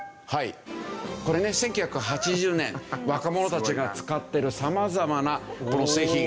これね１９８０年若者たちが使ってる様々なこの製品。